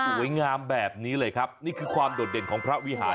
สวยงามแบบนี้เลยครับนี่คือความโดดเด่นของพระวิหาร